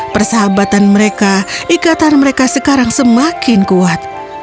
persahabatan mereka ikatan mereka sekarang semakin kuat